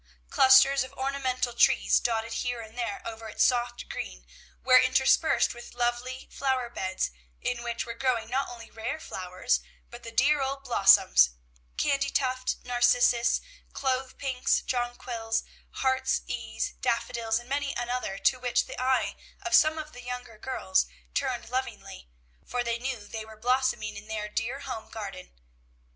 Clusters of ornamental trees, dotted here and there over its soft green, were interspersed with lovely flower beds, in which were growing not only rare flowers, but the dear old blossoms, candytuft, narcissus, clove pinks, jonquils, heart's ease, daffodils, and many another to which the eyes of some of the young girls turned lovingly, for they knew they were blossoming in their dear home garden.